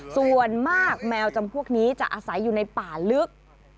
ส่วนมากแมวจำพวกนี้จะอาศัยอยู่ในป่าลึก